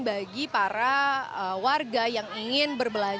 bagi para warga yang ingin berbelanja